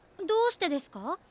どうしてですか？